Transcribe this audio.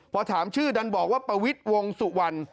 พอถามชื่อดันบอกว่าปวิศวงศ์สุวรรณ